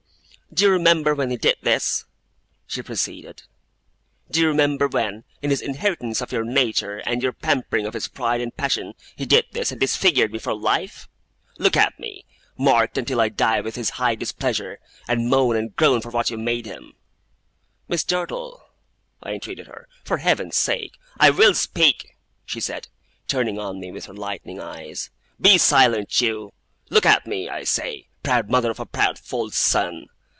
'Do you remember when he did this?' she proceeded. 'Do you remember when, in his inheritance of your nature, and in your pampering of his pride and passion, he did this, and disfigured me for life? Look at me, marked until I die with his high displeasure; and moan and groan for what you made him!' 'Miss Dartle,' I entreated her. 'For Heaven's sake ' 'I WILL speak!' she said, turning on me with her lightning eyes. 'Be silent, you! Look at me, I say, proud mother of a proud, false son!